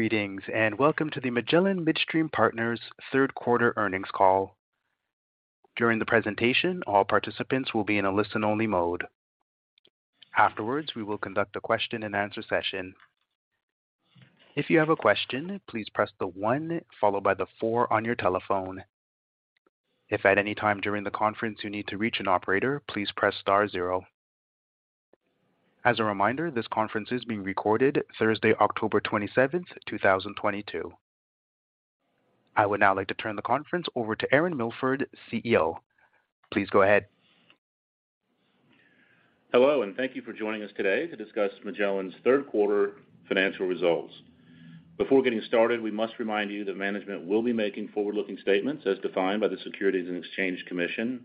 Greetings, and welcome to the Magellan Midstream Partners third quarter earnings call. During the presentation, all participants will be in a listen-only mode. Afterwards, we will conduct a question-and-answer session. If you have a question, please press the one followed by the four on your telephone. If at any time during the conference you need to reach an Operator, please press star zero. As a reminder, this conference is being recorded Thursday, October 27th, 2022. I would now like to turn the conference over to Aaron Milford, CEO. Please go ahead. Hello, and thank you for joining us today to discuss Magellan's third quarter financial results. Before getting started, we must remind you that management will be making forward-looking statements as defined by the Securities and Exchange Commission.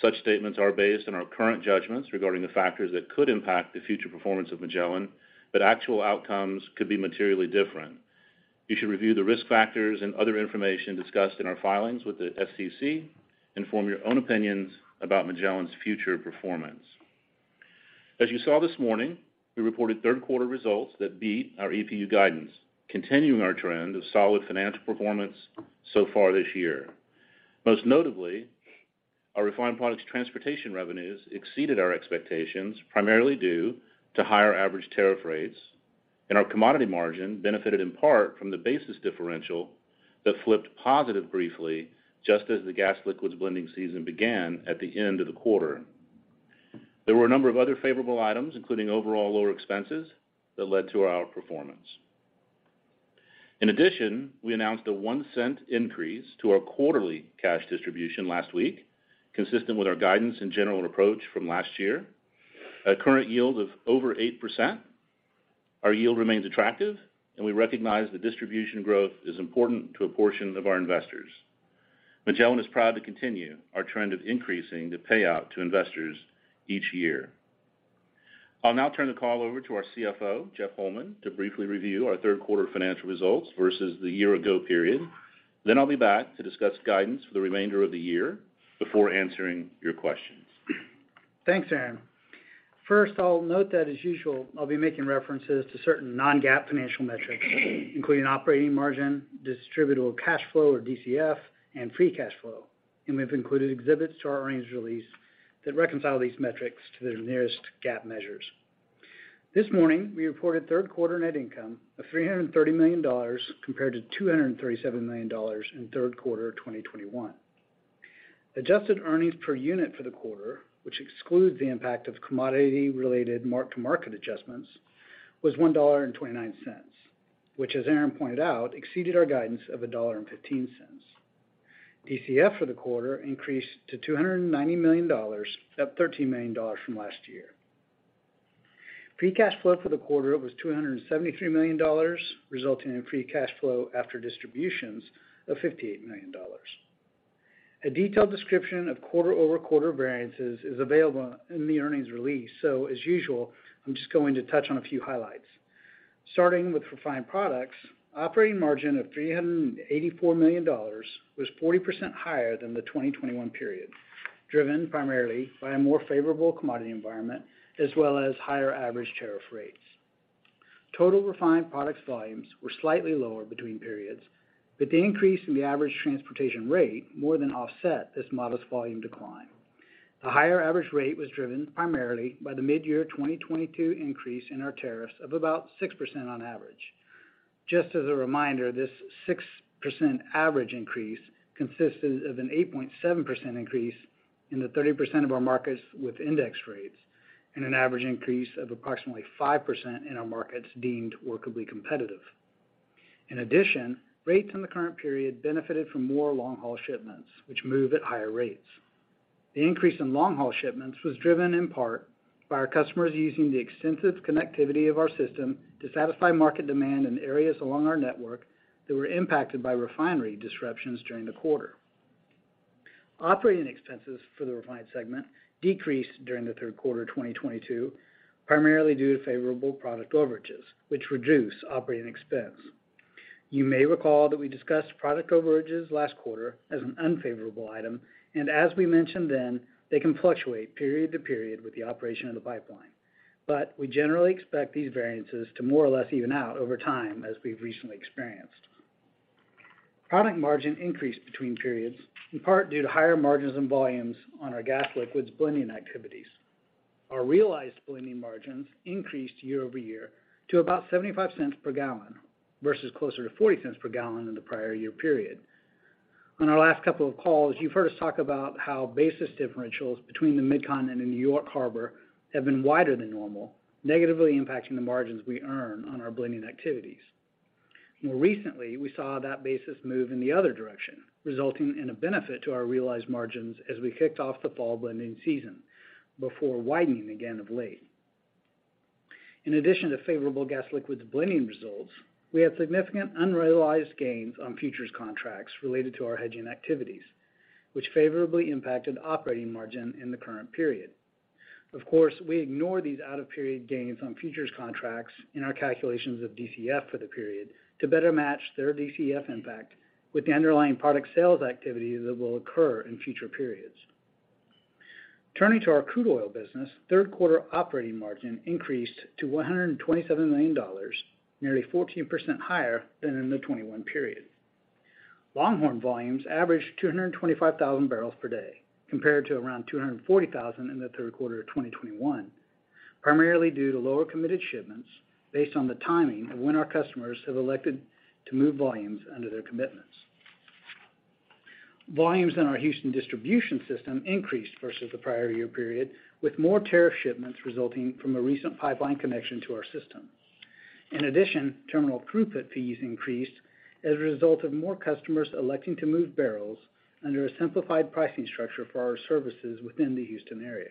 Such statements are based on our current judgments regarding the factors that could impact the future performance of Magellan, but actual outcomes could be materially different. You should review the risk factors and other information discussed in our filings with the SEC and form your own opinions about Magellan's future performance. As you saw this morning, we reported third quarter results that beat our EPU guidance, continuing our trend of solid financial performance so far this year. Most notably, our refined products transportation revenues exceeded our expectations, primarily due to higher average tariff rates, and our commodity margin benefited in part from the basis differential that flipped positive briefly just as the gas liquids blending season began at the end of the quarter. There were a number of other favorable items, including overall lower expenses, that led to our outperformance. In addition, we announced a $0.01 increase to our quarterly cash distribution last week, consistent with our guidance and general approach from last year. At current yield of over 8%, our yield remains attractive, and we recognize that distribution growth is important to a portion of our investors. Magellan is proud to continue our trend of increasing the payout to investors each year. I'll now turn the call over to our CFO, Jeff Holman, to briefly review our third quarter financial results versus the year ago period. Then I'll be back to discuss guidance for the remainder of the year before answering your questions. Thanks, Aaron. First, I'll note that as usual, I'll be making references to certain non-GAAP financial metrics, including operating margin, distributable cash flow, or DCF, and free cash flow. We've included exhibits to our earnings release that reconcile these metrics to their nearest GAAP measures. This morning, we reported third quarter net income of $330 million compared to $237 million in third quarter of 2021. Adjusted earnings per unit for the quarter, which excludes the impact of commodity-related mark-to-market adjustments, was $1.29, which, as Aaron pointed out, exceeded our guidance of $1.15. DCF for the quarter increased to $290 million, up $13 million from last year. Free cash flow for the quarter was $273 million, resulting in free cash flow after distributions of $59 million. A detailed description of quarter-over-quarter variances is available in the earnings release. As usual, I'm just going to touch on a few highlights. Starting with refined products, operating margin of $384 million was 40% higher than the 2021 period, driven primarily by a more favorable commodity environment as well as higher average tariff rates. Total refined products volumes were slightly lower between periods, but the increase in the average transportation rate more than offset this modest volume decline. The higher average rate was driven primarily by the mid-year 2022 increase in our tariffs of about 6% on average. Just as a reminder, this 6% average increase consisted of an 8.7% increase in the 30% of our markets with index rates and an average increase of approximately 5% in our markets deemed workably competitive. In addition, rates in the current period benefited from more long-haul shipments, which move at higher rates. The increase in long-haul shipments was driven in part by our customers using the extensive connectivity of our system to satisfy market demand in areas along our network that were impacted by refinery disruptions during the quarter. Operating expenses for the refined segment decreased during the third quarter of 2022, primarily due to favorable product overages, which reduce operating expense. You may recall that we discussed product overages last quarter as an unfavorable item, and as we mentioned then, they can fluctuate period to period with the operation of the pipeline. We generally expect these variances to more or less even out over time as we've recently experienced. Product margin increased between periods, in part due to higher margins and volumes on our gas liquids blending activities. Our realized blending margins increased year-over-year to about $0.75 per gallon versus closer to $0.40 per gallon in the prior year period. On our last couple of calls, you've heard us talk about how basis differentials between the Mid-Continent and New York Harbor have been wider than normal, negatively impacting the margins we earn on our blending activities. More recently, we saw that basis move in the other direction, resulting in a benefit to our realized margins as we kicked off the fall blending season before widening again of late. In addition to favorable gas liquids blending results, we have significant unrealized gains on futures contracts related to our hedging activities, which favorably impacted operating margin in the current period. Of course, we ignore these out-of-period gains on futures contracts in our calculations of DCF for the period to better match their DCF impact with the underlying product sales activity that will occur in future periods. Turning to our crude oil business, third quarter operating margin increased to $127 million, nearly 14% higher than in the 2021 period. Longhorn volumes averaged 225,000 barrels per day compared to around 240,000 in the third quarter of 2021, primarily due to lower committed shipments based on the timing of when our customers have elected to move volumes under their commitments. Volumes in our Houston distribution system increased versus the prior year period, with more tariff shipments resulting from a recent pipeline connection to our system. In addition, terminal throughput fees increased as a result of more customers electing to move barrels under a simplified pricing structure for our services within the Houston area.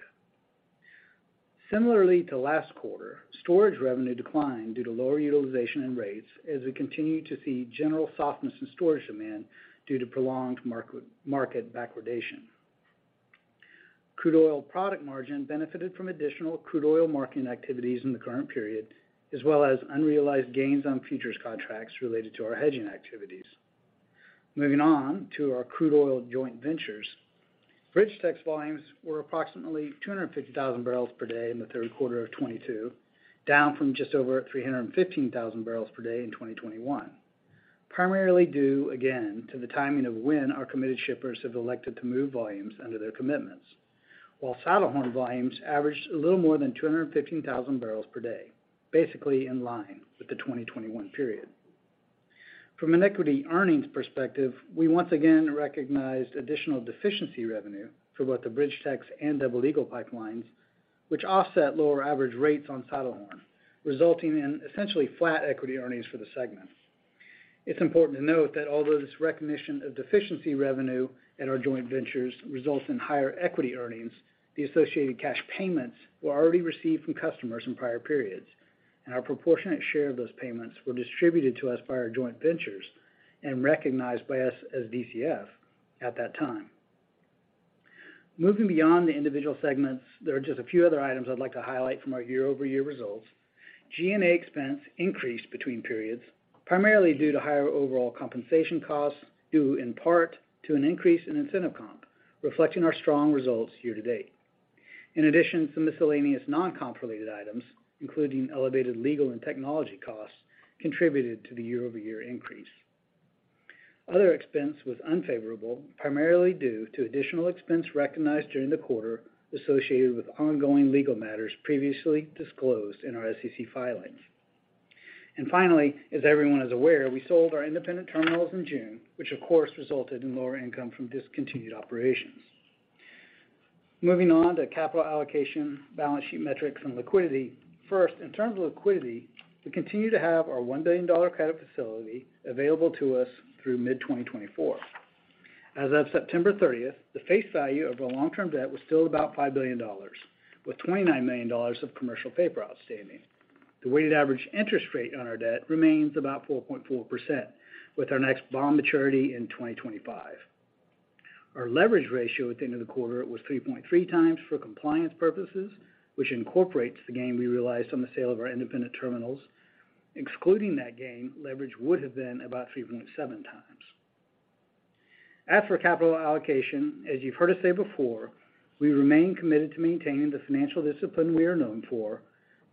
Similarly to last quarter, storage revenue declined due to lower utilization and rates as we continued to see general softness in storage demand due to prolonged market backwardation. Crude oil product margin benefited from additional crude oil marketing activities in the current period, as well as unrealized gains on futures contracts related to our hedging activities. Moving on to our crude oil joint ventures. BridgeTex volumes were approximately 250,000 barrels per day in the third quarter of 2022, down from just over 315,000 barrels per day in 2021, primarily due again to the timing of when our committed shippers have elected to move volumes under their commitments. While Saddlehorn volumes averaged a little more than 215,000 barrels per day, basically in line with the 2021 period. From an equity earnings perspective, we once again recognized additional deficiency revenue for both the BridgeTex and Double Eagle pipelines, which offset lower average rates on Saddlehorn, resulting in essentially flat equity earnings for the segment. It's important to note that although this recognition of deficiency revenue at our joint ventures results in higher equity earnings, the associated cash payments were already received from customers in prior periods, and our proportionate share of those payments were distributed to us by our joint ventures and recognized by us as DCF at that time. Moving beyond the individual segments, there are just a few other items I'd like to highlight from our year-over-year results. G&A expense increased between periods, primarily due to higher overall compensation costs, due in part to an increase in incentive comp, reflecting our strong results year-to-date. In addition, some miscellaneous non-comp related items, including elevated legal and technology costs, contributed to the year-over-year increase. Other expense was unfavorable, primarily due to additional expense recognized during the quarter associated with ongoing legal matters previously disclosed in our SEC filings. Finally, as everyone is aware, we sold our independent terminals in June, which of course resulted in lower income from discontinued operations. Moving on to capital allocation, balance sheet metrics, and liquidity. First, in terms of liquidity, we continue to have our $1 billion credit facility available to us through mid-2024. As of September 30, the face value of our long-term debt was still about $5 billion, with $29 million of commercial paper outstanding. The weighted average interest rate on our debt remains about 4.4%, with our next bond maturity in 2025. Our leverage ratio at the end of the quarter was 3.3x for compliance purposes, which incorporates the gain we realized on the sale of our independent terminals. Excluding that gain, leverage would have been about 3.7x. As for capital allocation, as you've heard us say before, we remain committed to maintaining the financial discipline we are known for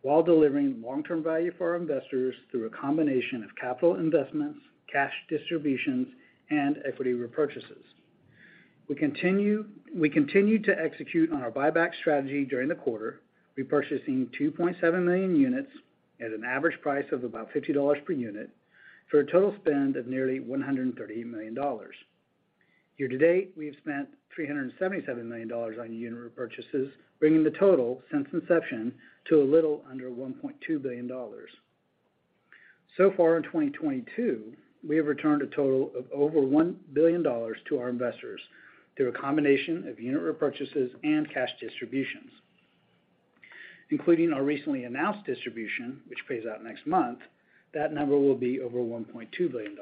while delivering long-term value for our investors through a combination of capital investments, cash distributions, and equity repurchases. We continued to execute on our buyback strategy during the quarter, repurchasing 2.7 million units at an average price of about $50 per unit for a total spend of nearly $130 million. Year-to-date, we have spent $377 million on unit repurchases, bringing the total since inception to a little under $1.2 billion. So far in 2022, we have returned a total of over $1 billion to our investors through a combination of unit repurchases and cash distributions. Including our recently announced distribution, which pays out next month, that number will be over $1.2 billion.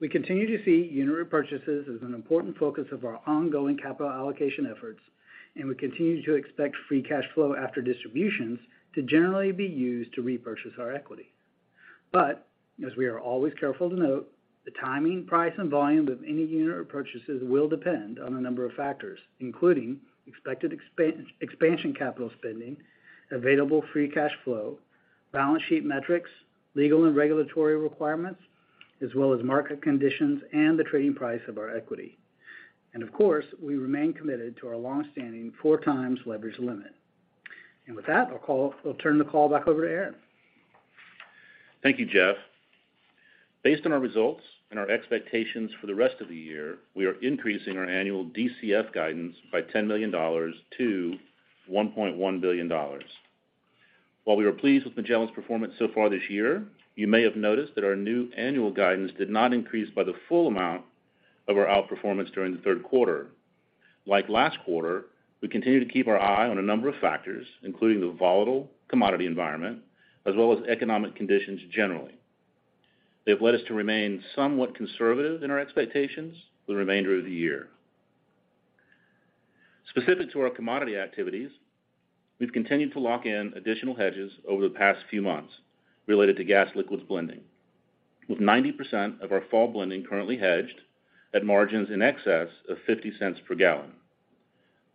We continue to see unit repurchases as an important focus of our ongoing capital allocation efforts, and we continue to expect free cash flow after distributions to generally be used to repurchase our equity. As we are always careful to note, the timing, price, and volume of any unit repurchases will depend on a number of factors, including expected expansion capital spending, available free cash flow, balance sheet metrics, legal and regulatory requirements, as well as market conditions and the trading price of our equity. Of course, we remain committed to our long-standing four times leverage limit. With that, I'll turn the call back over to Aaron. Thank you, Jeff. Based on our results and our expectations for the rest of the year, we are increasing our annual DCF guidance by $10 million to $1.1 billion. While we were pleased with Magellan's performance so far this year, you may have noticed that our new annual guidance did not increase by the full amount of our outperformance during the third quarter. Like last quarter, we continue to keep our eye on a number of factors, including the volatile commodity environment as well as economic conditions generally. They have led us to remain somewhat conservative in our expectations for the remainder of the year. Specific to our commodity activities, we've continued to lock in additional hedges over the past few months related to gas liquids blending. With 90% of our fall blending currently hedged at margins in excess of $0.50 per gallon.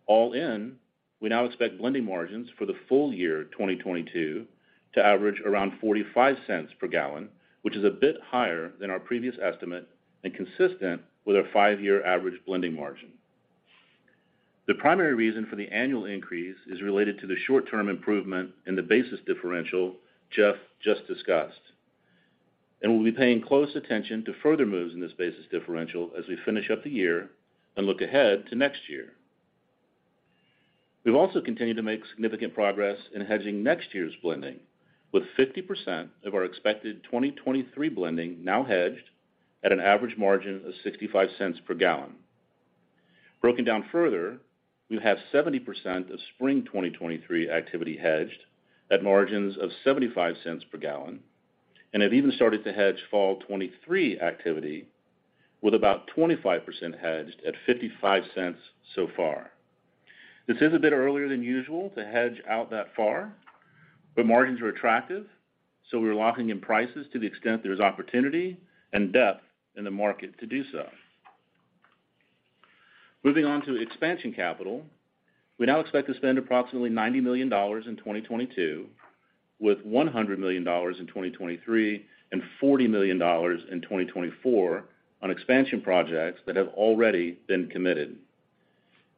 All in, we now expect blending margins for the full year 2022 to average around $0.45 per gallon, which is a bit higher than our previous estimate and consistent with our five-year average blending margin. The primary reason for the annual increase is related to the short-term improvement in the basis differential Jeff just discussed. We'll be paying close attention to further moves in this basis differential as we finish up the year and look ahead to next year. We've also continued to make significant progress in hedging next year's blending, with 50% of our expected 2023 blending now hedged at an average margin of $0.65 per gallon. Broken down further, we have 70% of spring 2023 activity hedged at margins of $0.75 per gallon, and have even started to hedge fall 2023 activity with about 25% hedged at $0.55 so far. This is a bit earlier than usual to hedge out that far, but margins are attractive, so we're locking in prices to the extent there's opportunity and depth in the market to do so. Moving on to expansion capital. We now expect to spend approximately $90 million in 2022, with $100 million in 2023 and $40 million in 2024 on expansion projects that have already been committed.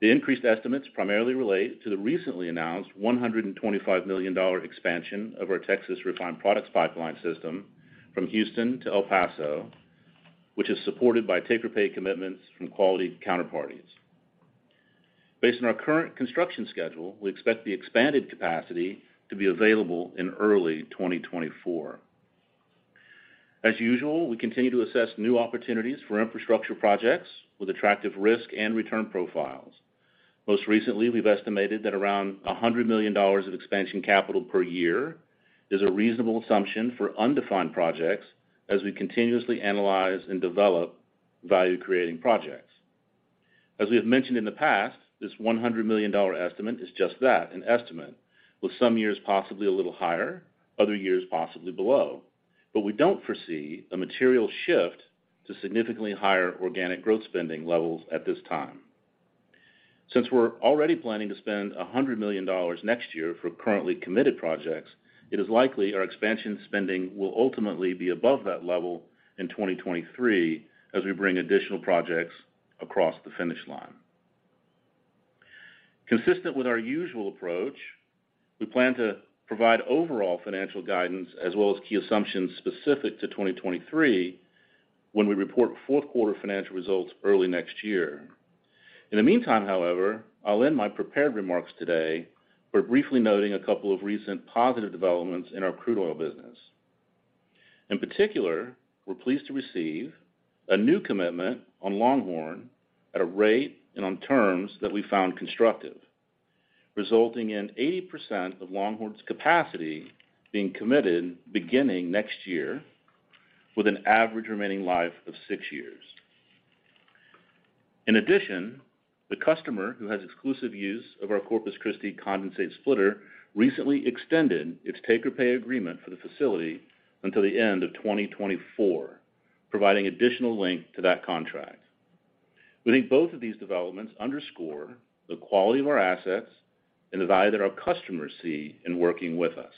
The increased estimates primarily relate to the recently announced $125 million expansion of our Texas refined products pipeline system from Houston to El Paso, which is supported by take-or-pay commitments from quality counterparties. Based on our current construction schedule, we expect the expanded capacity to be available in early 2024. As usual, we continue to assess new opportunities for infrastructure projects with attractive risk and return profiles. Most recently, we've estimated that around $100 million of expansion capital per year is a reasonable assumption for unfunded projects as we continuously analyze and develop value-creating projects. As we have mentioned in the past, this $100 million estimate is just that, an estimate, with some years possibly a little higher, other years possibly below. We don't foresee a material shift to significantly higher organic growth spending levels at this time. Since we're already planning to spend $100 million next year for currently committed projects, it is likely our expansion spending will ultimately be above that level in 2023 as we bring additional projects across the finish line. Consistent with our usual approach, we plan to provide overall financial guidance as well as key assumptions specific to 2023 when we report fourth quarter financial results early next year. In the meantime, however, I'll end my prepared remarks today by briefly noting a couple of recent positive developments in our crude oil business. In particular, we're pleased to receive a new commitment on Longhorn at a rate and on terms that we found constructive, resulting in 80% of Longhorn's capacity being committed beginning next year with an average remaining life of six years. In addition, the customer who has exclusive use of our Corpus Christi condensate splitter recently extended its take-or-pay agreement for the facility until the end of 2024, providing additional length to that contract. We think both of these developments underscore the quality of our assets and the value that our customers see in working with us.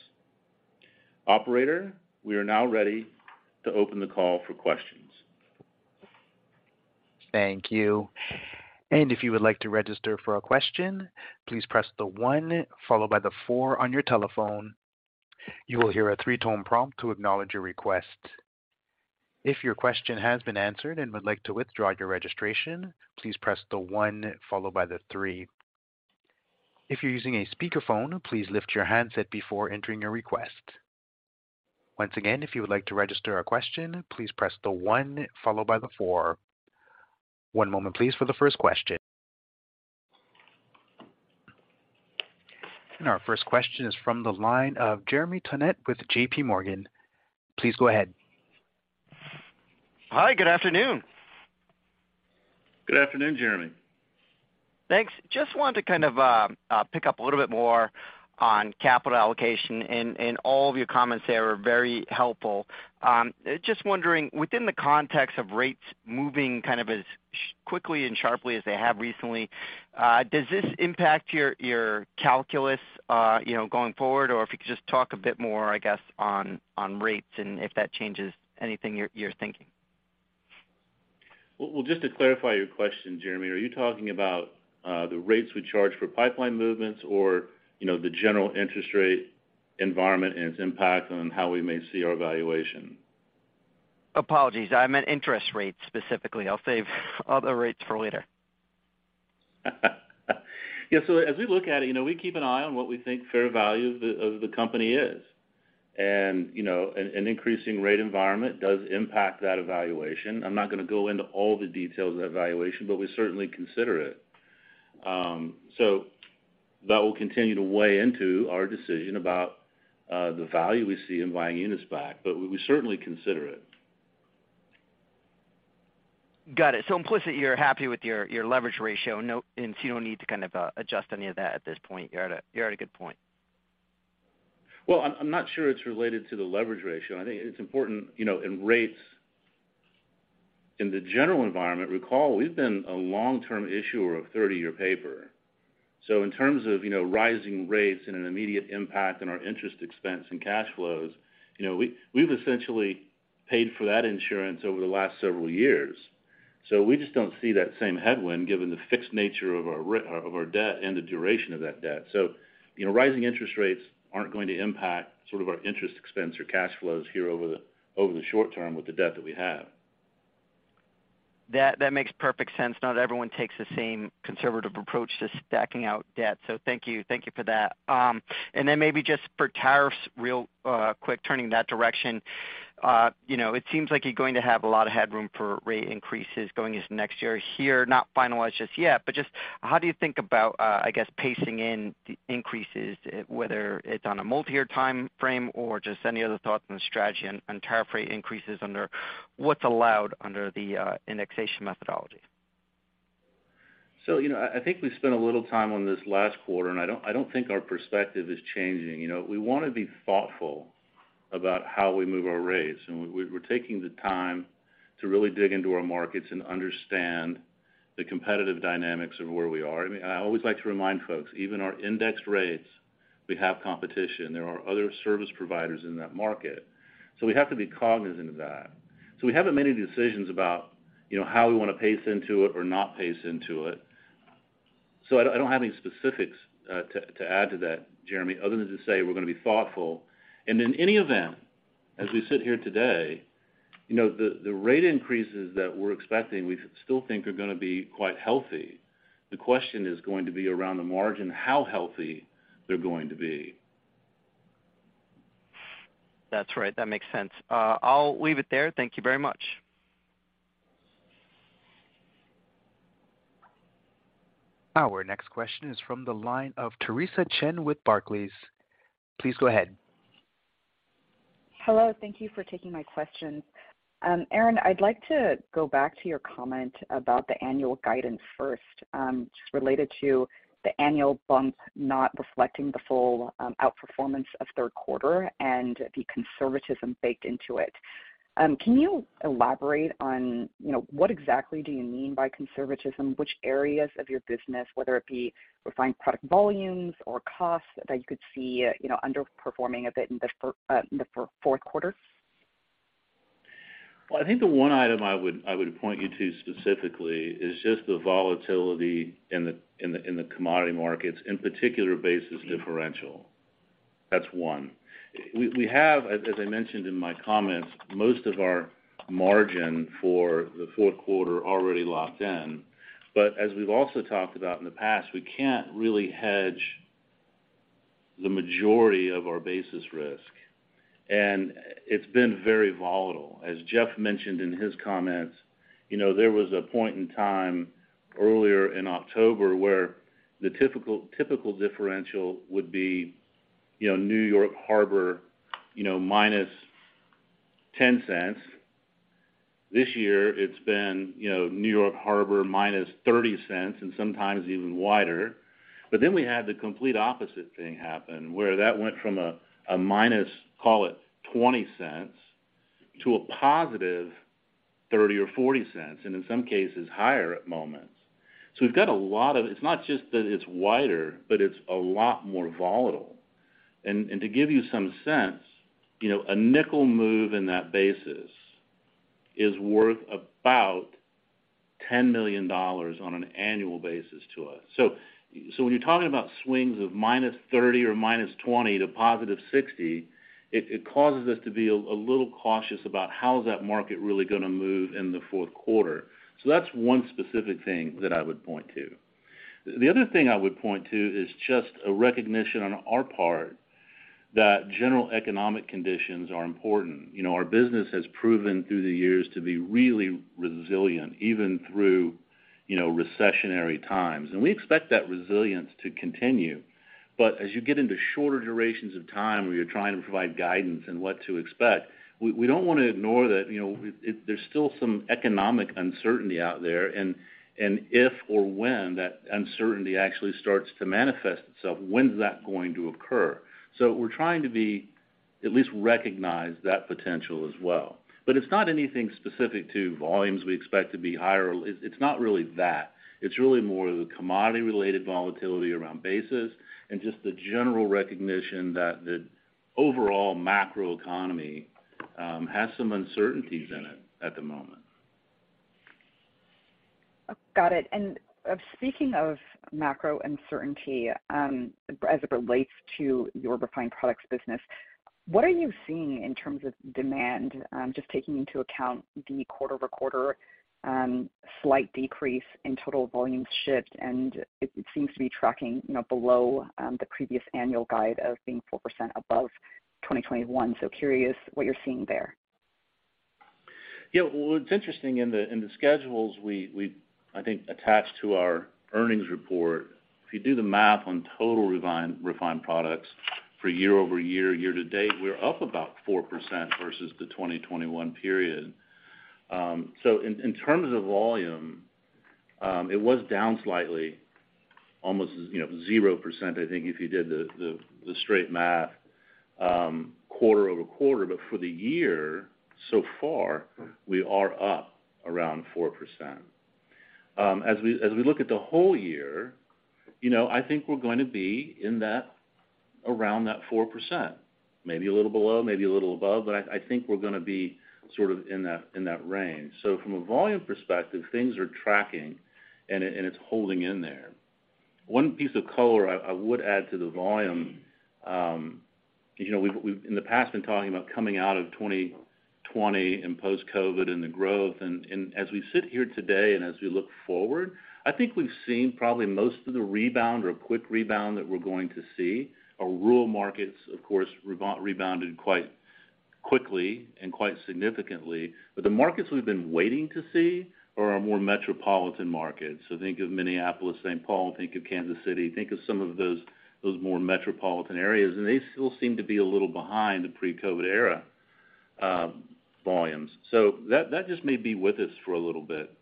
Operator, we are now ready to open the call for questions. Thank you. If you would like to register for a question, please press the one followed by the four on your telephone. You will hear a three-tone prompt to acknowledge your request. If your question has been answered and would like to withdraw your registration, please press the one followed by the three. If you're using a speakerphone, please lift your handset before entering your request. Once again, if you would like to register a question, please press the one followed by the four. One moment, please, for the first question. Our first question is from the line of Jeremy Tonet with J.P. Morgan. Please go ahead. Hi. Good afternoon. Good afternoon, Jeremy. Thanks. Just wanted to kind of pick up a little bit more on capital allocation, and all of your comments there were very helpful. Just wondering, within the context of rates moving kind of as quickly and sharply as they have recently, does this impact your calculus, you know, going forward? Or if you could just talk a bit more, I guess, on rates and if that changes anything you're thinking. Well, just to clarify your question, Jeremy, are you talking about the rates we charge for pipeline movements or, you know, the general interest rate environment and its impact on how we may see our valuation? Apologies. I meant interest rates specifically. I'll save other rates for later. Yeah. As we look at it, you know, we keep an eye on what we think fair value of the company is. You know, an increasing rate environment does impact that evaluation. I'm not gonna go into all the details of that evaluation, but we certainly consider it. That will continue to weigh into our decision about the value we see in buying units back, but we certainly consider it. Got it. Implicitly, you're happy with your leverage ratio. You don't need to kind of adjust any of that at this point. You're at a good point. Well, I'm not sure it's related to the leverage ratio. I think it's important, you know, interest rates in the general environment. Recall, we've been a long-term issuer of 30-year paper. In terms of, you know, rising rates and an immediate impact on our interest expense and cash flows, you know, we've essentially paid for that insurance over the last several years. We just don't see that same headwind given the fixed nature of our debt and the duration of that debt. You know, rising interest rates aren't going to impact sort of our interest expense or cash flows here over the short term with the debt that we have. That makes perfect sense. Not everyone takes the same conservative approach to stacking out debt. Thank you for that. Then maybe just for tariffs, real quick, turning that direction. You know, it seems like you're going to have a lot of headroom for rate increases going into next year here. Not finalized just yet, but just how do you think about, I guess, pacing in the increases, whether it's on a multi-year timeframe or just any other thoughts on the strategy and tariff rate increases under what's allowed under the indexation methodology? You know, I think we spent a little time on this last quarter, and I don't think our perspective is changing. You know, we wanna be thoughtful about how we move our rates, and we're taking the time to really dig into our markets and understand the competitive dynamics of where we are. I mean, I always like to remind folks, even our indexed rates, we have competition. There are other service providers in that market, so we have to be cognizant of that. We haven't made any decisions about, you know, how we wanna pace into it or not pace into it. I don't have any specifics to add to that, Jeremy, other than to say we're gonna be thoughtful. In any event, as we sit here today, you know, the rate increases that we're expecting, we still think are gonna be quite healthy. The question is going to be around the margin, how healthy they're going to be. That's right. That makes sense. I'll leave it there. Thank you very much. Our next question is from the line of Theresa Chen with Barclays. Please go ahead. Hello. Thank you for taking my questions. Aaron, I'd like to go back to your comment about the annual guidance first, just related to the annual bump not reflecting the full, outperformance of third quarter and the conservatism baked into it. Can you elaborate on, you know, what exactly do you mean by conservatism? Which areas of your business, whether it be refined product volumes or costs that you could see, you know, underperforming a bit in the fourth quarter? Well, I think the one item I would point you to specifically is just the volatility in the commodity markets, in particular, basis differential. That's one. We have, as I mentioned in my comments, most of our margin for the fourth quarter already locked in. But as we've also talked about in the past, we can't really hedge the majority of our basis risk, and it's been very volatile. As Jeff mentioned in his comments, you know, there was a point in time earlier in October where the typical differential would be, you know, New York Harbor -$0.10. This year it's been, you know, New York Harbor -$0.30 and sometimes even wider. We had the complete opposite thing happen, where that went from a minus, call it $0.20 To a +$0.30 or +$0.40, and in some cases higher at moments. We've got a lot of. It's not just that it's wider, but it's a lot more volatile. To give you some sense, you know, a nickel move in that basis is worth about $10 million on an annual basis to us. When you're talking about swings of -30 or -20 to +60, it causes us to be a little cautious about how is that market really gonna move in the fourth quarter. That's one specific thing that I would point to. The other thing I would point to is just a recognition on our part that general economic conditions are important. You know, our business has proven through the years to be really resilient, even through, you know, recessionary times. We expect that resilience to continue. As you get into shorter durations of time where you're trying to provide guidance and what to expect, we don't wanna ignore that, you know, there's still some economic uncertainty out there. If or when that uncertainty actually starts to manifest itself, when's that going to occur? We're trying to be, at least recognize that potential as well. It's not anything specific to volumes we expect to be higher. It's not really that. It's really more of the commodity-related volatility around basis and just the general recognition that the overall macroeconomy has some uncertainties in it at the moment. Got it. Speaking of macro uncertainty, as it relates to your refined products business, what are you seeing in terms of demand? Just taking into account the quarter-over-quarter slight decrease in total volume shipped, and it seems to be tracking, you know, below the previous annual guide of being 4% above 2021. Curious what you're seeing there. Yeah. Well, what's interesting in the schedules we I think attached to our earnings report, if you do the math on total refined products for year-over-year, year-to-date, we're up about 4% versus the 2021 period. In terms of volume, it was down slightly, almost, you know, 0%, I think, if you did the straight math, quarter-over-quarter. For the year so far, we are up around 4%. As we look at the whole year, you know, I think we're going to be in that, around that 4%, maybe a little below, maybe a little above. I think we're gonna be sort of in that range. From a volume perspective, things are tracking and it's holding in there. One piece of color I would add to the volume, you know, we've in the past been talking about coming out of 2020 and post-COVID and the growth. As we sit here today, and as we look forward, I think we've seen probably most of the rebound or quick rebound that we're going to see. Our rural markets, of course, rebounded quite quickly and quite significantly. The markets we've been waiting to see are our more metropolitan markets. Think of Minneapolis, St. Paul, think of Kansas City, think of some of those more metropolitan areas, and they still seem to be a little behind the pre-COVID era volumes. That just may be with us for a little bit,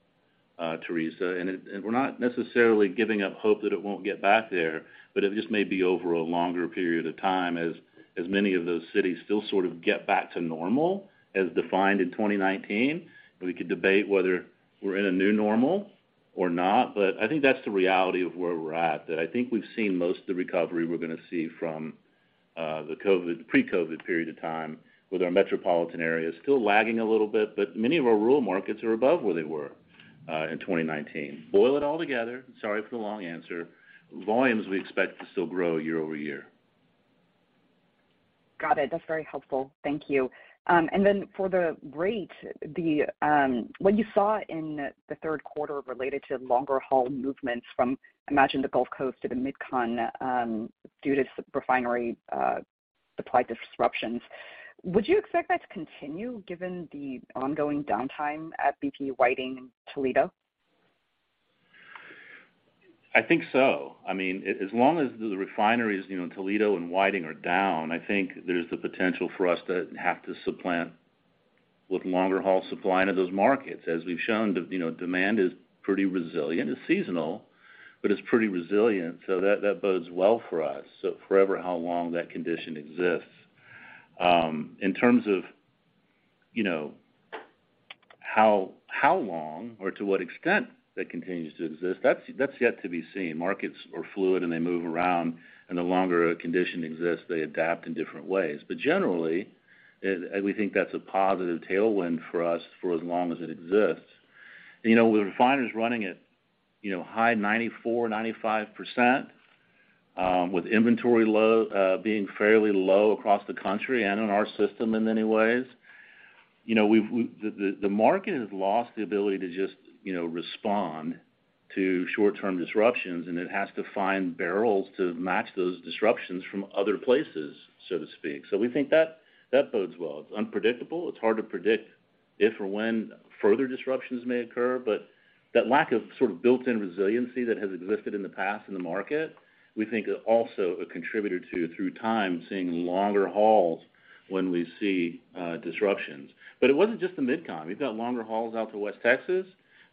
Theresa. We're not necessarily giving up hope that it won't get back there, but it just may be over a longer period of time as many of those cities still sort of get back to normal as defined in 2019. We could debate whether we're in a new normal or not, but I think that's the reality of where we're at. I think we've seen most of the recovery we're gonna see from pre-COVID period of time, with our metropolitan areas still lagging a little bit, but many of our rural markets are above where they were in 2019. Boil it all together. Sorry for the long answer. Volumes we expect to still grow year-over-year. Got it. That's very helpful. Thank you. For the rate, what you saw in the third quarter related to longer haul movements from the Gulf Coast to the Mid-Con due to refinery supply disruptions, would you expect that to continue given the ongoing downtime at BP Whiting, Toledo? I think so. I mean, as long as the refineries, you know, in Toledo and Whiting are down, I think there's the potential for us to have to supplant with longer haul supply into those markets. As we've shown, you know, demand is pretty resilient. It's seasonal, but it's pretty resilient, so that bodes well for us for however long that condition exists. In terms of, you know, how long or to what extent that continues to exist, that's yet to be seen. Markets are fluid, and they move around, and the longer a condition exists, they adapt in different ways. Generally, we think that's a positive tailwind for us for as long as it exists. You know, with refiners running at, you know, high 94%, 95%, with inventory low, being fairly low across the country and in our system in many ways, you know, the market has lost the ability to just, you know, respond to short-term disruptions, and it has to find barrels to match those disruptions from other places, so to speak. We think that bodes well. It's unpredictable. It's hard to predict if or when further disruptions may occur. That lack of sort of built-in resiliency that has existed in the past in the market, we think is also a contributor to, through time, seeing longer hauls when we see disruptions. It wasn't just the Mid-Con. We've got longer hauls out to West Texas,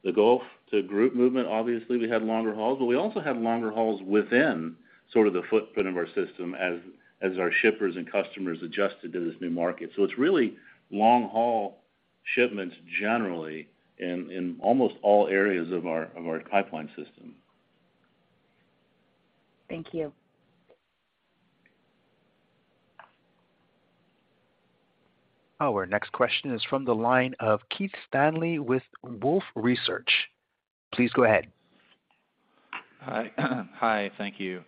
the Gulf, the group movement. Obviously, we had longer hauls, but we also have longer hauls within sort of the footprint of our system as our shippers and customers adjust to this new market. It's really long-haul shipments generally in almost all areas of our pipeline system. Thank you. Our next question is from the line of Keith Stanley with Wolfe Research. Please go ahead. Hi. Hi. Thank you.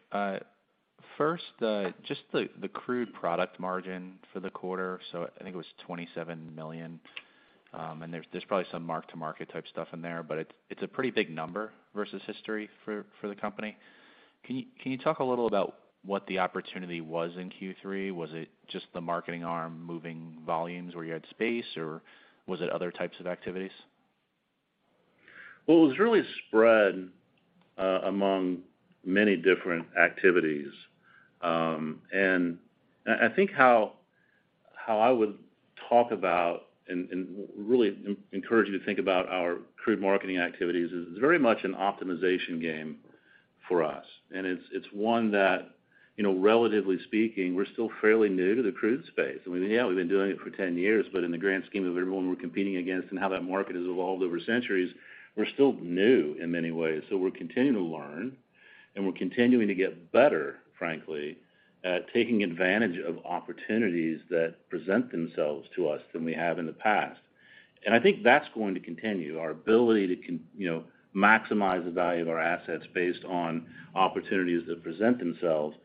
First, just the crude product margin for the quarter. I think it was $27 million, and there's probably some mark-to-market type stuff in there, but it's a pretty big number versus history for the company. Can you talk a little about what the opportunity was in Q3? Was it just the marketing arm moving volumes where you had space, or was it other types of activities? Well, it was really spread among many different activities. I think how I would talk about and really encourage you to think about our crude marketing activities is it's very much an optimization game for us. It's one that, you know, relatively speaking, we're still fairly new to the crude space. I mean, yeah, we've been doing it for 10 years, but in the grand scheme of everyone we're competing against and how that market has evolved over centuries, we're still new in many ways. We're continuing to learn, and we're continuing to get better, frankly, at taking advantage of opportunities that present themselves to us than we have in the past. I think that's going to continue, our ability to, you know, maximize the value of our assets based on opportunities that present themselves.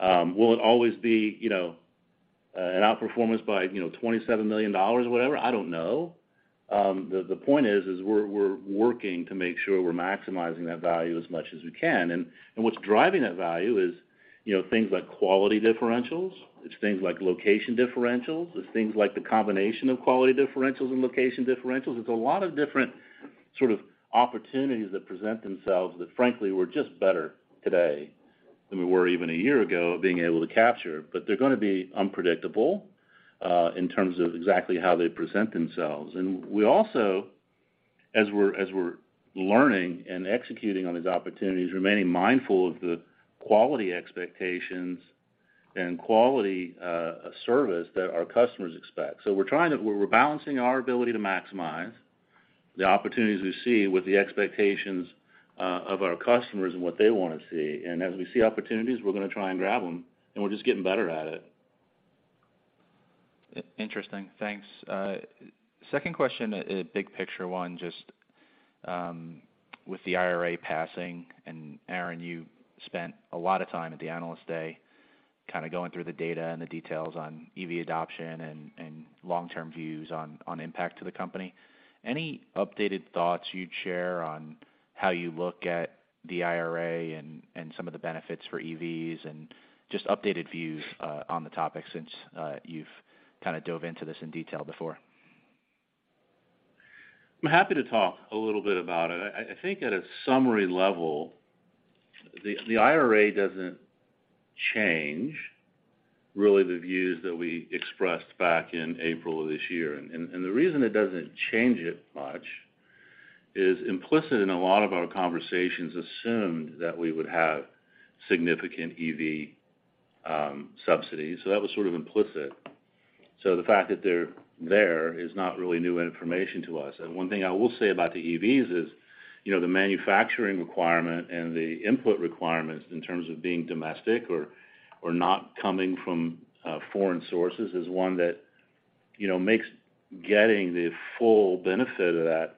Will it always be, you know, an outperformance by, you know, $27 million or whatever? I don't know. The point is, we're working to make sure we're maximizing that value as much as we can. What's driving that value is, you know, things like quality differentials. It's things like location differentials. It's things like the combination of quality differentials and location differentials. It's a lot of different sort of opportunities that present themselves that frankly we're just better today than we were even a year ago being able to capture. They're gonna be unpredictable, in terms of exactly how they present themselves. We also, as we're learning and executing on these opportunities, remaining mindful of the quality expectations and quality service that our customers expect. We're balancing our ability to maximize the opportunities we see with the expectations of our customers and what they wanna see. As we see opportunities, we're gonna try and grab them, and we're just getting better at it. Interesting. Thanks. Second question is a big picture one, just, with the IRA passing. Aaron, you spent a lot of time at the Analyst Day kinda going through the data and the details on EV adoption and long-term views on impact to the company. Any updated thoughts you'd share on how you look at the IRA and some of the benefits for EVs and just updated views on the topic since you've kind of dove into this in detail before? I'm happy to talk a little bit about it. I think at a summary level, the IRA doesn't change really the views that we expressed back in April of this year. The reason it doesn't change it much is implicit in a lot of our conversations assumed that we would have significant EV subsidies. That was sort of implicit. The fact that they're there is not really new information to us. One thing I will say about the EVs is, you know, the manufacturing requirement and the input requirements in terms of being domestic or not coming from foreign sources is one that, you know, makes getting the full benefit of that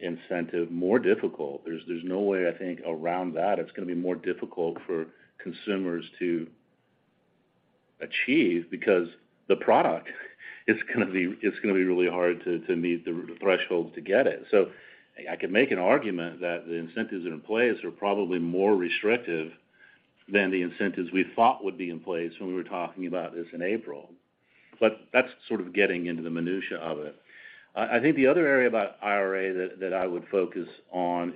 incentive more difficult. There's no way I think around that. It's gonna be more difficult for consumers to achieve because the product is gonna be really hard to meet the thresholds to get it. I could make an argument that the incentives in place are probably more restrictive than the incentives we thought would be in place when we were talking about this in April. That's sort of getting into the minutia of it. I think the other area about IRA that I would focus on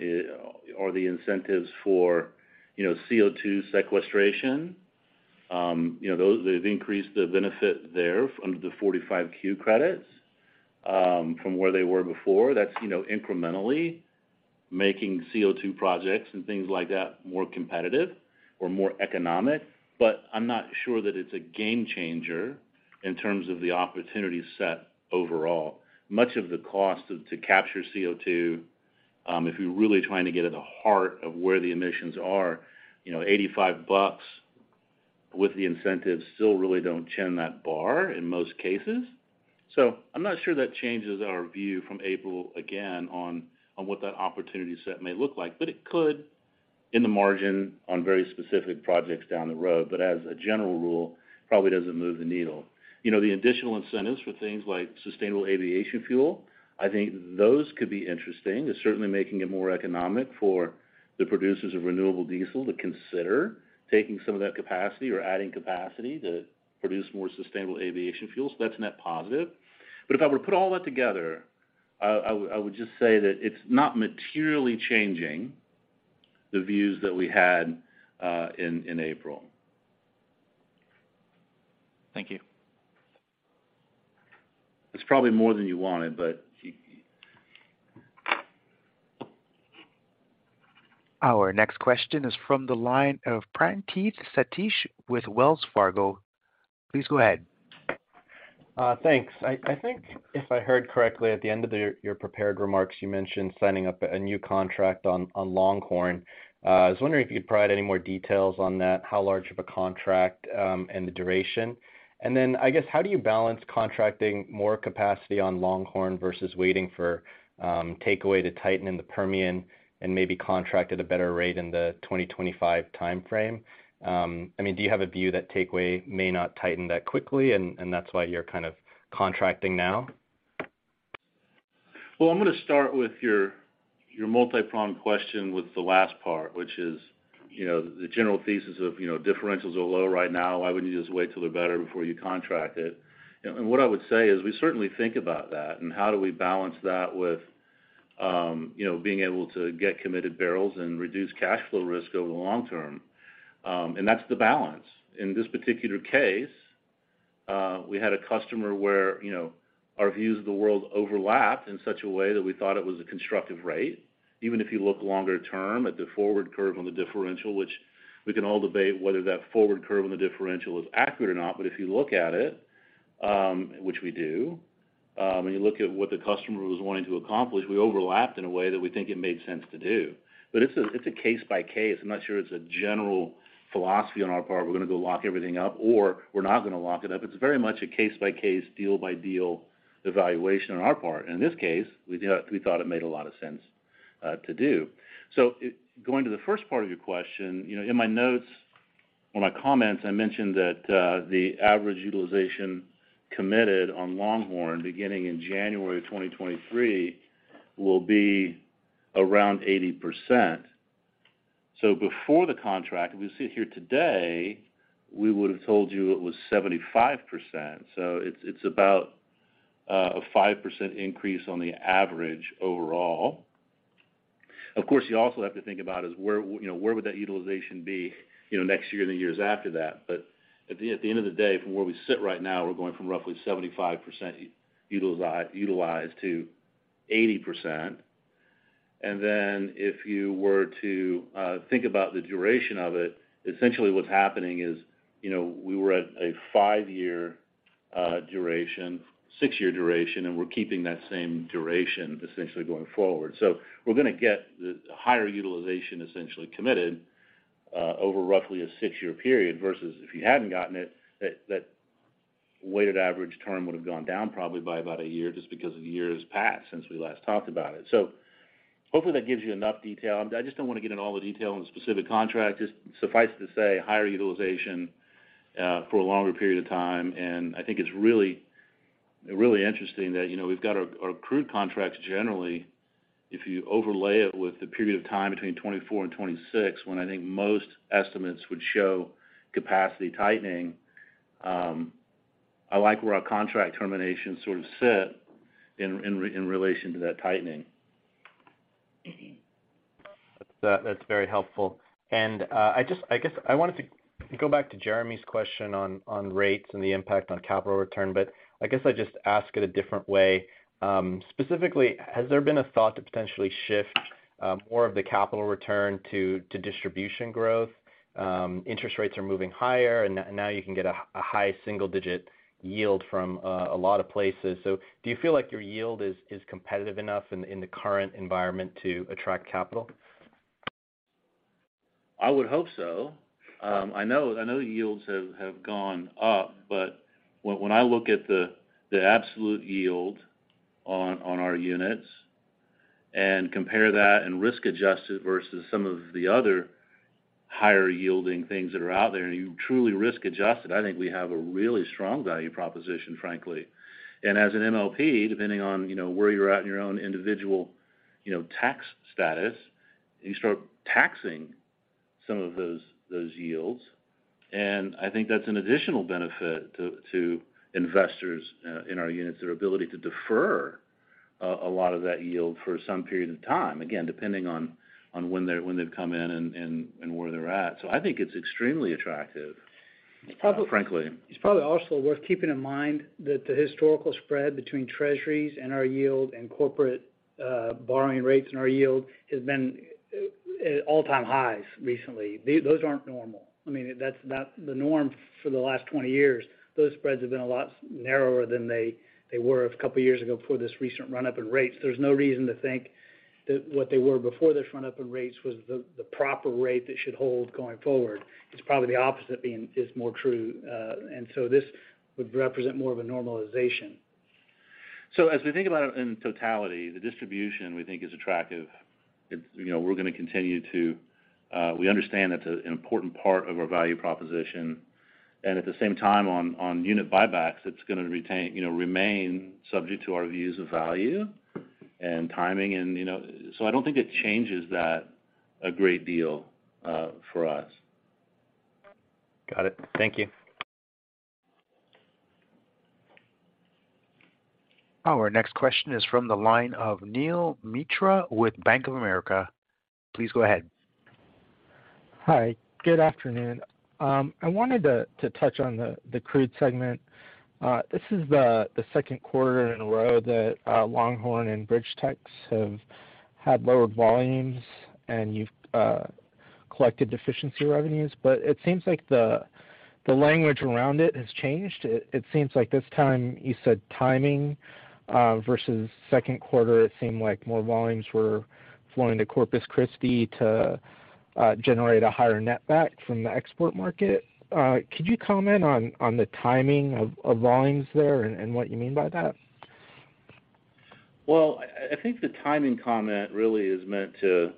are the incentives for, you know, CO2 sequestration. You know, those, they've increased the benefit there under the 45Q credits, from where they were before. That's, you know, incrementally making CO2 projects and things like that more competitive or more economic. I'm not sure that it's a game changer in terms of the opportunity set overall. Much of the cost to capture CO2, if you're really trying to get at the heart of where the emissions are, you know, $85 with the incentives still really don't clear that bar in most cases. I'm not sure that changes our view from April, again, on what that opportunity set may look like. It could in the margin on very specific projects down the road. As a general rule, probably doesn't move the needle. You know, the additional incentives for things like Sustainable Aviation Fuel, I think those could be interesting. It's certainly making it more economic for the producers of renewable diesel to consider taking some of that capacity or adding capacity to produce more Sustainable Aviation Fuels. That's net positive. If I were to put all that together, I would just say that it's not materially changing the views that we had in April. Thank you. It's probably more than you wanted, but you. Our next question is from the line of Praneeth Satish with Wells Fargo. Please go ahead. Thanks. I think if I heard correctly at the end of your prepared remarks, you mentioned signing up a new contract on Longhorn. I was wondering if you'd provide any more details on that, how large of a contract, and the duration. I guess, how do you balance contracting more capacity on Longhorn versus waiting for takeaway to tighten in the Permian and maybe contract at a better rate in the 2025 timeframe? I mean, do you have a view that takeaway may not tighten that quickly and that's why you're kind of contracting now? Well, I'm gonna start with your multipronged question with the last part, which is, you know, the general thesis of, you know, differentials are low right now. Why wouldn't you just wait till they're better before you contract it? What I would say is we certainly think about that and how do we balance that with, you know, being able to get committed barrels and reduce cash flow risk over the long term. That's the balance. In this particular case, we had a customer where, you know, our views of the world overlapped in such a way that we thought it was a constructive rate, even if you look longer term at the forward curve on the differential, which we can all debate whether that forward curve on the differential is accurate or not. If you look at it, which we do, and you look at what the customer was wanting to accomplish, we overlapped in a way that we think it made sense to do. It's a case by case. I'm not sure it's a general philosophy on our part, we're gonna go lock everything up or we're not gonna lock it up. It's very much a case by case, deal by deal evaluation on our part. In this case, we thought it made a lot of sense to do. Going to the first part of your question, you know, in my notes or my comments, I mentioned that the average utilization committed on Longhorn beginning in January 2023 will be around 80%. Before the contract, if we sit here today, we would have told you it was 75%. It's about a 5% increase on the average overall. Of course, you also have to think about is where that utilization would be, you know, next year and the years after that. At the end of the day, from where we sit right now, we're going from roughly 75% utilized to 80%. If you were to think about the duration of it, essentially what's happening is, you know, we were at a five-year duration, six-year duration, and we're keeping that same duration essentially going forward. We're gonna get the higher utilization essentially committed over roughly a six-year period, versus if you hadn't gotten it, that weighted average term would have gone down probably by about a year just because of the years passed since we last talked about it. Hopefully that gives you enough detail. I just don't want to get in all the detail in specific contract. Just suffice to say, higher utilization for a longer period of time. I think it's really, really interesting that, you know, we've got our crude contracts generally, if you overlay it with the period of time between 2024 and 2026, when I think most estimates would show capacity tightening. I like where our contract terminations sort of sit in relation to that tightening. That's very helpful. I guess I wanted to go back to Jeremy's question on rates and the impact on capital return, but I guess I just ask it a different way. Specifically, has there been a thought to potentially shift more of the capital return to distribution growth? Interest rates are moving higher and now you can get a high single-digit yield from a lot of places. Do you feel like your yield is competitive enough in the current environment to attract capital? I would hope so. I know yields have gone up, but when I look at the absolute yield on our units and compare that and risk adjust it versus some of the other higher-yielding things that are out there, and you truly risk adjust it, I think we have a really strong value proposition, frankly. As an MLP, depending on, you know, where you're at in your own individual, you know, tax status, you start taxing some of those yields. I think that's an additional benefit to investors in our units, their ability to defer a lot of that yield for some period of time, again, depending on when they've come in and where they're at. I think it's extremely attractive, frankly. It's probably also worth keeping in mind that the historical spread between Treasuries and our yield and corporate, borrowing rates and our yield has been at all-time highs recently. Those aren't normal. I mean, that's not the norm for the last 20 years. Those spreads have been a lot narrower than they were a couple of years ago before this recent run-up in rates. There's no reason to think that what they were before this run-up in rates was the proper rate that should hold going forward. It's probably the opposite is more true. This would represent more of a normalization. As we think about it in totality, the distribution we think is attractive. You know, we're gonna continue to, we understand that's an important part of our value proposition. At the same time on unit buybacks, it's gonna remain subject to our views of value and timing and, you know. I don't think it changes that a great deal for us. Got it. Thank you. Our next question is from the line of Neel Mitra with Bank of America. Please go ahead. Hi, good afternoon. I wanted to touch on the crude segment. This is the second quarter in a row that Longhorn and BridgeTex have had lower volumes, and you've collected deficiency revenues. It seems like the language around it has changed. It seems like this time you said timing versus second quarter, it seemed like more volumes were flowing to Corpus Christi to generate a higher netback from the export market. Could you comment on the timing of volumes there and what you mean by that? Well, I think the timing comment really is meant to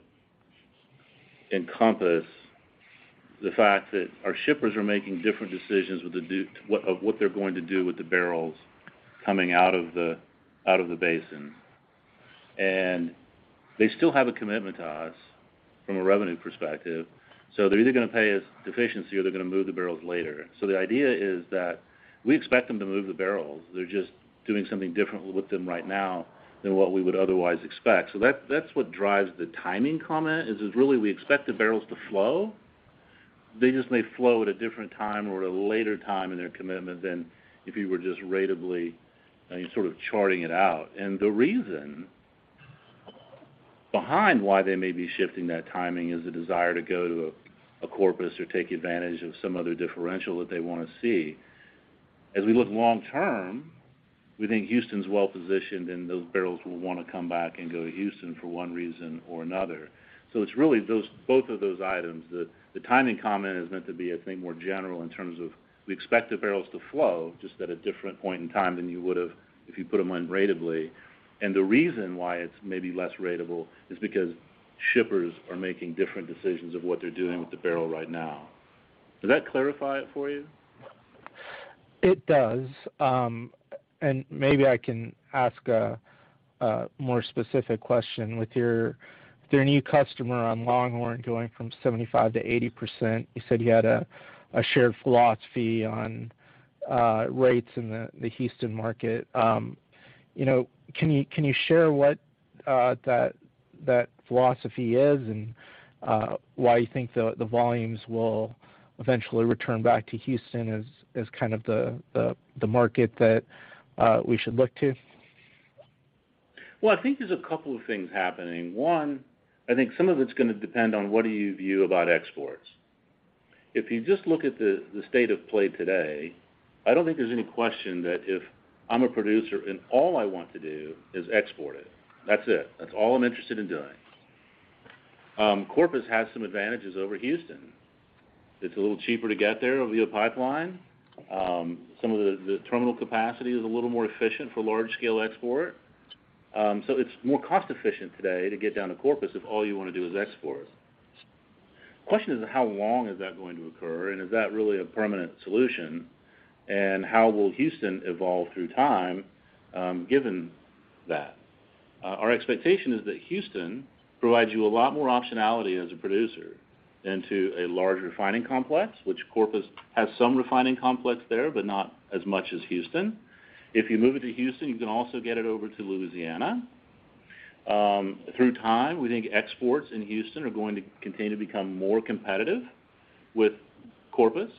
encompass the fact that our shippers are making different decisions with what they're going to do with the barrels coming out of the basin. They still have a commitment to us from a revenue perspective. They're either gonna pay us deficiency or they're gonna move the barrels later. The idea is that we expect them to move the barrels. They're just doing something different with them right now than what we would otherwise expect. That's what drives the timing comment, is it's really we expect the barrels to flow. They just may flow at a different time or at a later time in their commitment than if you were just ratably sort of charting it out. The reason behind why they may be shifting that timing is the desire to go to a Corpus or take advantage of some other differential that they wanna see. As we look long term, we think Houston's well-positioned, and those barrels will wanna come back and go to Houston for one reason or another. It's really those, both of those items. The timing comment is meant to be, I think, more general in terms of we expect the barrels to flow just at a different point in time than you would have if you put them on ratably. The reason why it's maybe less ratable is because shippers are making different decisions of what they're doing with the barrel right now. Does that clarify it for you? It does. Maybe I can ask a more specific question with their new customer on Longhorn going from 75%-80%. You said you had a shared philosophy on rates in the Houston market. You know, can you share what that philosophy is and why you think the volumes will eventually return back to Houston as kind of the market that we should look to? Well, I think there's a couple of things happening. One, I think some of it's gonna depend on what do you view about exports. If you just look at the state of play today, I don't think there's any question that if I'm a producer and all I want to do is export it, that's it. That's all I'm interested in doing. Corpus has some advantages over Houston. It's a little cheaper to get there via pipeline. Some of the terminal capacity is a little more efficient for large scale export. So it's more cost efficient today to get down to Corpus if all you wanna do is export. Question is how long is that going to occur, and is that really a permanent solution? How will Houston evolve through time, given that? Our expectation is that Houston provides you a lot more optionality as a producer into a large refining complex, which Corpus has some refining complex there, but not as much as Houston. If you move it to Houston, you can also get it over to Louisiana. Through time, we think exports in Houston are going to continue to become more competitive with Corpus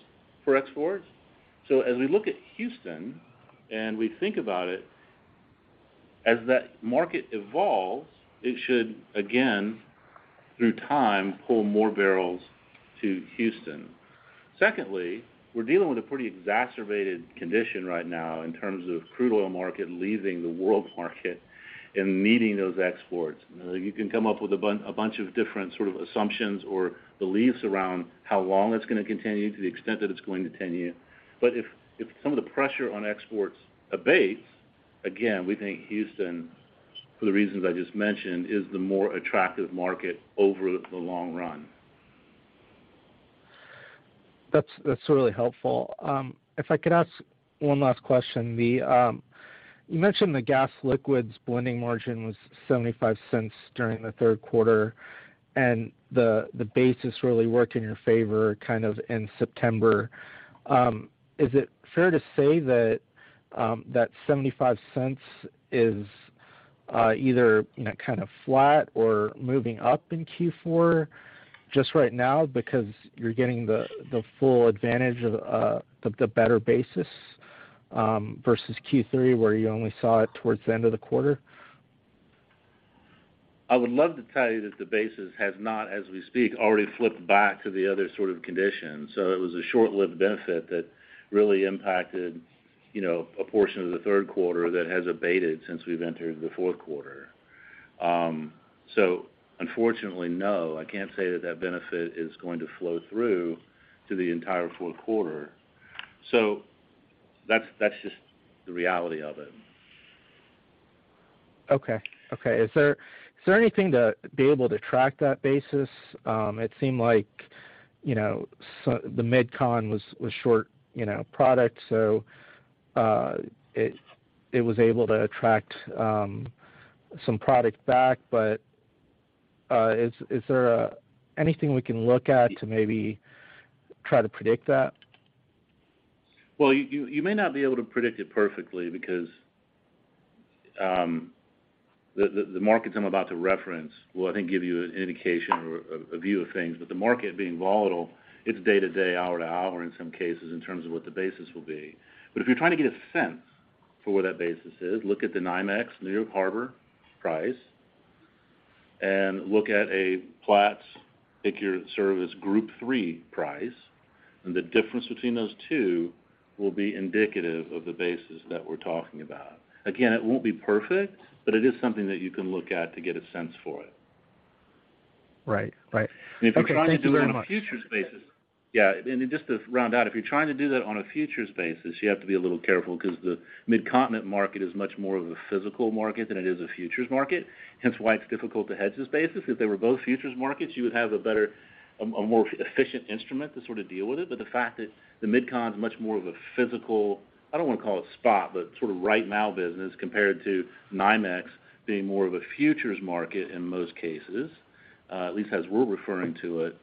for exports. As we look at Houston and we think about it, as that market evolves, it should again, through time, pull more barrels to Houston. Secondly, we're dealing with a pretty exacerbated condition right now in terms of crude oil market leaving the world market and meeting those exports. Now, you can come up with a bunch of different sort of assumptions or beliefs around how long it's gonna continue to the extent that it's going to continue. If some of the pressure on exports abates, again, we think Houston, for the reasons I just mentioned, is the more attractive market over the long run. That's really helpful. If I could ask one last question. You mentioned the gas liquids blending margin was $0.75 during the third quarter, and the basis really worked in your favor kind of in September. Is it fair to say that $0.75 is either, you know, kind of flat or moving up in Q4 just right now because you're getting the full advantage of the better basis versus Q3, where you only saw it towards the end of the quarter? I would love to tell you that the basis has not, as we speak, already flipped back to the other sort of condition. It was a short-lived benefit that really impacted, you know, a portion of the third quarter that has abated since we've entered the fourth quarter. Unfortunately, no, I can't say that benefit is going to flow through to the entire fourth quarter. That's just the reality of it. Is there anything to be able to track that basis? It seemed like, you know, the Mid-Con was short, you know, product, so it was able to attract some product back. Is there anything we can look at to maybe try to predict that? Well, you may not be able to predict it perfectly because the markets I'm about to reference will, I think, give you an indication or a view of things. The market being volatile, it's day to day, hour to hour in some cases, in terms of what the basis will be. If you're trying to get a sense for where that basis is, look at the NYMEX New York Harbor price and look at a Platts Group 3 price, and the difference between those two will be indicative of the basis that we're talking about. Again, it won't be perfect, but it is something that you can look at to get a sense for it. Right. Okay. Thank you very much. If you're trying to do it on a futures basis. Yeah. Just to round out, if you're trying to do that on a futures basis, you have to be a little careful 'cause the Mid-Continent market is much more of a physical market than it is a futures market. Hence why it's difficult to hedge this basis. If they were both futures markets, you would have a more efficient instrument to sort of deal with it. But the fact that the Mid-Con is much more of a physical, I don't wanna call it spot, but sort of right now business compared to NYMEX being more of a futures market in most cases, at least as we're referring to it,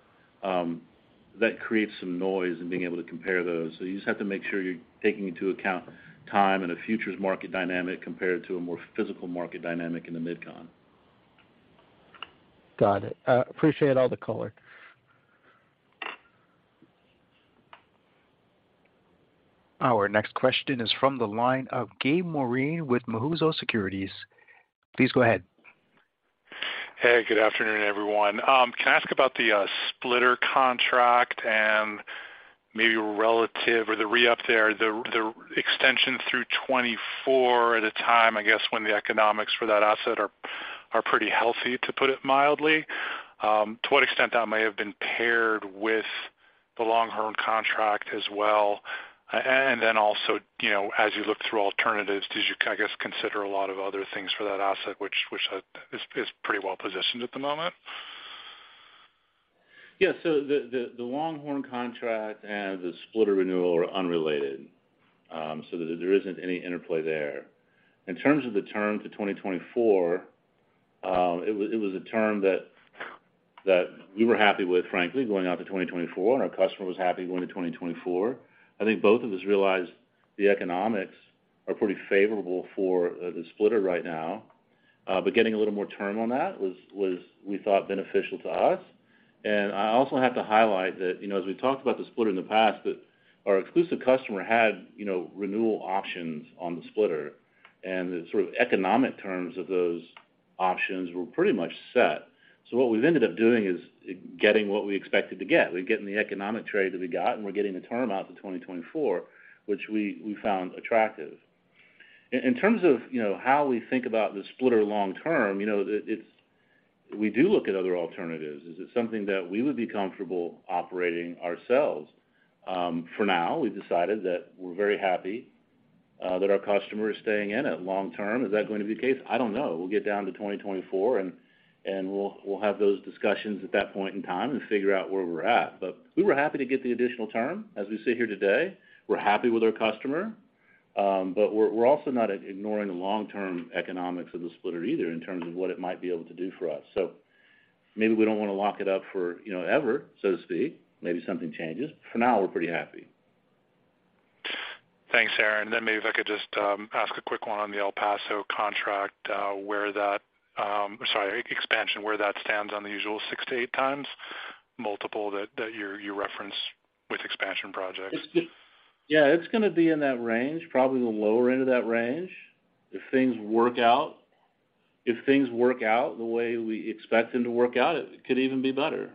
that creates some noise in being able to compare those. You just have to make sure you're taking into account time and a futures market dynamic compared to a more physical market dynamic in the Mid-Con. Got it. Appreciate all the color. Our next question is from the line of Gabe Moreen with Mizuho Securities. Please go ahead. Hey, good afternoon, everyone. Can I ask about the splitter contract and maybe relative or the re-up there, the extension through 2024 at a time, I guess, when the economics for that asset are pretty healthy, to put it mildly. To what extent that may have been paired with the Longhorn contract as well. Then also, you know, as you look through alternatives, did you, I guess, consider a lot of other things for that asset which is pretty well positioned at the moment? Yeah. The Longhorn contract and the splitter renewal are unrelated, so that there isn't any interplay there. In terms of the term to 2024, it was a term that we were happy with, frankly, going out to 2024, and our customer was happy going to 2024. I think both of us realized the economics are pretty favorable for the splitter right now. Getting a little more term on that was, we thought, beneficial to us. I also have to highlight that, you know, as we talked about the splitter in the past, that our exclusive customer had, you know, renewal options on the splitter, and the sort of economic terms of those options were pretty much set. What we've ended up doing is getting what we expected to get. We're getting the economic trade that we got, and we're getting the term out to 2024, which we found attractive. In terms of, you know, how we think about the splitter long term, you know, it's. We do look at other alternatives. Is it something that we would be comfortable operating ourselves? For now, we've decided that we're very happy that our customer is staying in it long term. Is that going to be the case? I don't know. We'll get down to 2024 and we'll have those discussions at that point in time and figure out where we're at. We were happy to get the additional term as we sit here today. We're happy with our customer, but we're also not ignoring the long-term economics of the splitter either in terms of what it might be able to do for us. Maybe we don't wanna lock it up for, you know, ever, so to speak. Maybe something changes. For now, we're pretty happy. Thanks, Aaron. Maybe if I could just ask a quick one on the El Paso contract, where that expansion stands on the usual 6x-8x multiple that you're referencing with expansion projects. Yeah, it's gonna be in that range, probably the lower end of that range if things work out. If things work out the way we expect them to work out, it could even be better.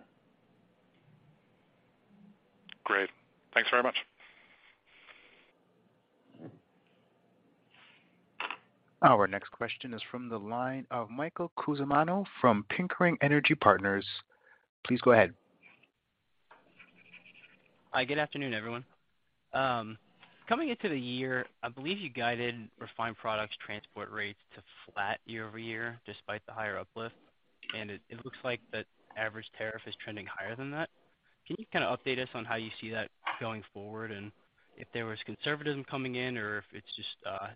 Great. Thanks very much. Our next question is from the line of Michael Cusimano from Pickering Energy Partners. Please go ahead. Hi. Good afternoon, everyone. Coming into the year, I believe you guided refined products transport rates to flat year-over-year despite the higher uplift, and it looks like the average tariff is trending higher than that. Can you kind of update us on how you see that going forward, and if there was conservatism coming in, or if it's just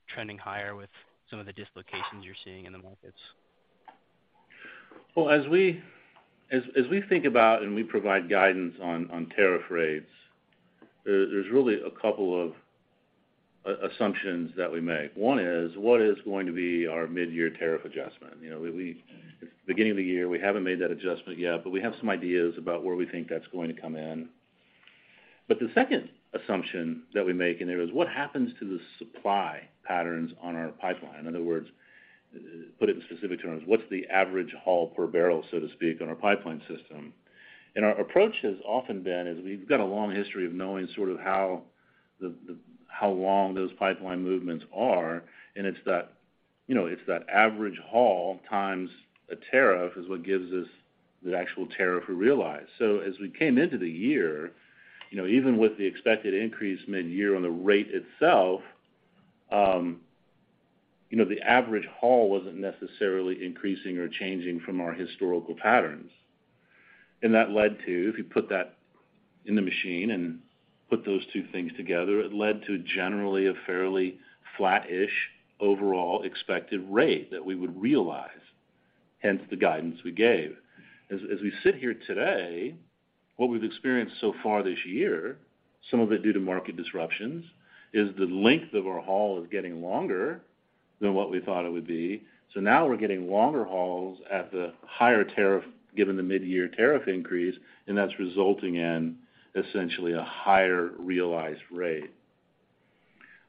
trending higher with some of the dislocations you're seeing in the markets? Well, as we think about and we provide guidance on tariff rates, there's really a couple of assumptions that we make. One is, what is going to be our mid-year tariff adjustment? You know, it's beginning of the year, we haven't made that adjustment yet, but we have some ideas about where we think that's going to come in. The second assumption that we make in there is what happens to the supply patterns on our pipeline. In other words, put it in specific terms, what's the average haul per barrel, so to speak, on our pipeline system? Our approach has often been is we've got a long history of knowing sort of how long those pipeline movements are, and it's that, you know, it's that average haul times a tariff is what gives us the actual tariff we realize. As we came into the year, you know, even with the expected increase mid-year on the rate itself, you know, the average haul wasn't necessarily increasing or changing from our historical patterns. That led to, if you put that in the machine and put those two things together, it led to generally a fairly flattish overall expected rate that we would realize, hence the guidance we gave. We sit here today, what we've experienced so far this year, some of it due to market disruptions, is the length of our haul is getting longer than what we thought it would be. Now we're getting longer hauls at the higher tariff given the mid-year tariff increase, and that's resulting in essentially a higher realized rate.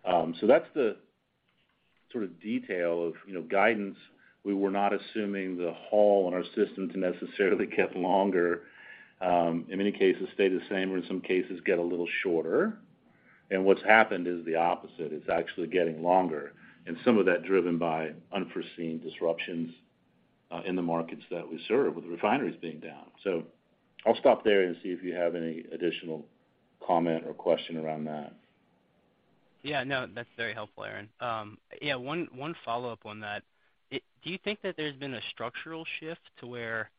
That's the sort of detail of, you know, guidance. We were not assuming the haul in our system to necessarily get longer. In many cases stay the same or in some cases get a little shorter. What's happened is the opposite. It's actually getting longer and some of that driven by unforeseen disruptions in the markets that we serve with the refineries being down. I'll stop there and see if you have any additional comment or question around that. Yeah, no. That's very helpful, Aaron. Yeah, one follow-up on that. Do you think that there's been a structural shift to where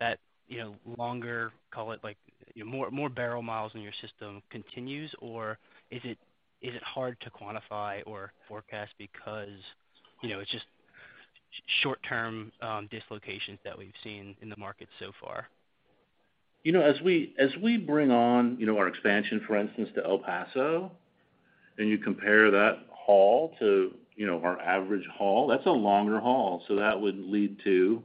that, you know, longer, call it like, you know, more barrel miles in your system continues, or is it hard to quantify or forecast because, you know, it's just short-term dislocations that we've seen in the market so far? You know, as we bring on, you know, our expansion, for instance, to El Paso and you compare that haul to, you know, our average haul, that's a longer haul, so that would lead to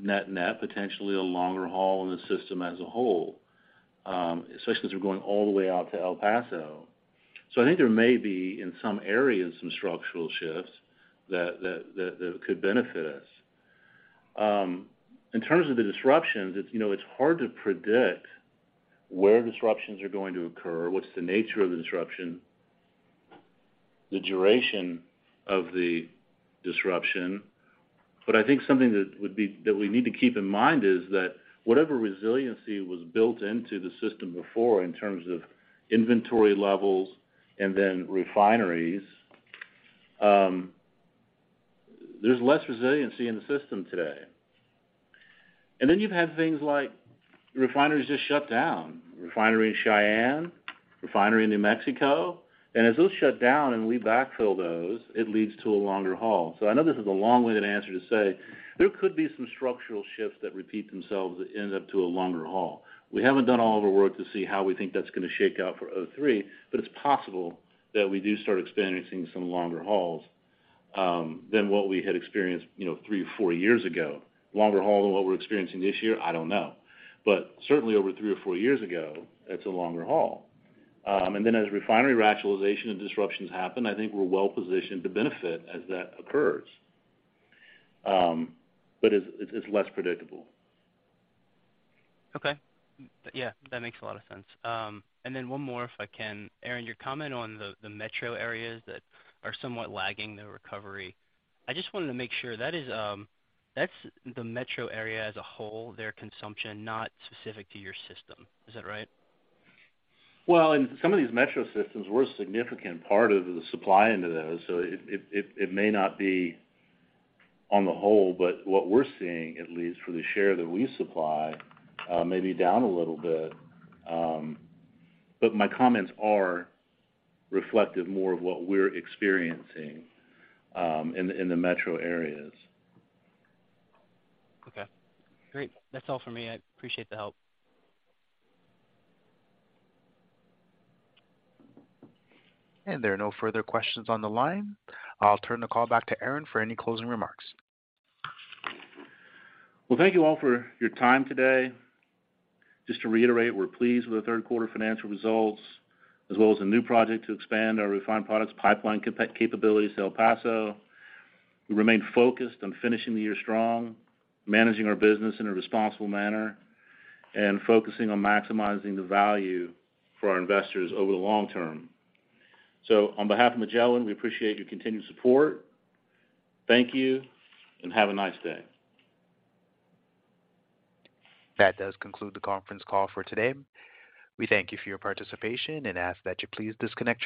net net, potentially a longer haul in the system as a whole, especially as we're going all the way out to El Paso. I think there may be, in some areas, some structural shifts that could benefit us. In terms of the disruptions, it's hard to predict where disruptions are going to occur, what's the nature of the disruption, the duration of the disruption. I think something that we need to keep in mind is that whatever resiliency was built into the system before in terms of inventory levels and then refineries, there's less resiliency in the system today. You've had things like refineries just shut down. Refinery in Cheyenne, refinery in New Mexico. As those shut down and we backfill those, it leads to a longer haul. I know this is a long-winded answer to say there could be some structural shifts that repeat themselves that end up to a longer haul. We haven't done all of our work to see how we think that's gonna shake out for 2023, but it's possible that we do start experiencing some longer hauls than what we had experienced, you know, three or four years ago. Longer haul than what we're experiencing this year, I don't know. Certainly over three or four years ago, it's a longer haul. As refinery rationalization and disruptions happen, I think we're well positioned to benefit as that occurs. It's less predictable. Okay. Yeah, that makes a lot of sense. Then one more, if I can. Aaron, your comment on the metro areas that are somewhat lagging the recovery, I just wanted to make sure that's the metro area as a whole, their consumption, not specific to your system. Is that right? Well, in some of these metro systems, we're a significant part of the supply into those, so it may not be on the whole, but what we're seeing, at least for the share that we supply, may be down a little bit. My comments are reflective more of what we're experiencing in the metro areas. Okay. Great. That's all for me. I appreciate the help. There are no further questions on the line. I'll turn the call back to Aaron for any closing remarks. Well, thank you all for your time today. Just to reiterate, we're pleased with the third quarter financial results, as well as the new project to expand our refined products pipeline capabilities to El Paso. We remain focused on finishing the year strong, managing our business in a responsible manner, and focusing on maximizing the value for our investors over the long term. On behalf of Magellan, we appreciate your continued support. Thank you, and have a nice day. That does conclude the conference call for today. We thank you for your participation and ask that you please disconnect your lines.